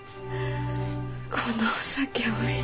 このお酒おいしい。